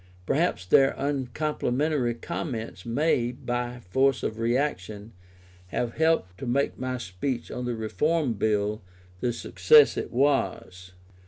Perhaps their uncomplimentary comments may, by the force of reaction, have helped to make my speech on the Reform Bill the success it was.